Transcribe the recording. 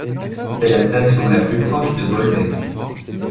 C'est la station la plus proche de Bolbec.